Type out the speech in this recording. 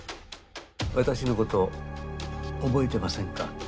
私のこと覚えてませんか？